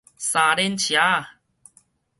三輪車仔